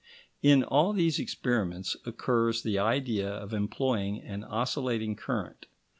In all these experiments occurs the idea of employing an oscillating current.